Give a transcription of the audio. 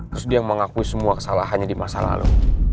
terus dia mengakui semua kesalahannya di masa lalu